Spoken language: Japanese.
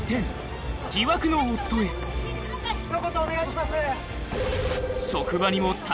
・ひと言お願いします！